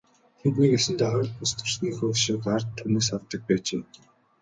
Тэд нэг ёсондоо хууль бус төрснийхөө өшөөг ард түмнээс авдаг байжээ.